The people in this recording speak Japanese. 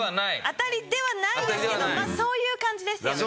当たりではないんですけどそういう感じですよね。